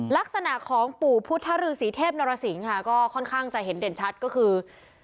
ลักษณะของปู่พุทธฤษีเทพนรสิงค่ะก็ค่อนข้างจะเห็นเด่นชัดก็คือ